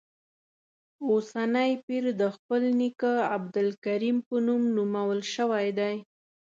اوسنی پیر د خپل نیکه عبدالکریم په نوم نومول شوی دی.